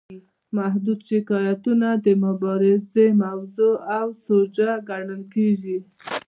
محدود شکایتونه د مبارزې موضوع او سوژه ګرځول کیږي.